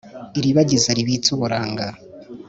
Iribagiza ribitse uburanga